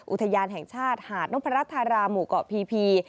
อุทยานแห่งชาติหาดนพรัชธาราหมู่เกาะพีพี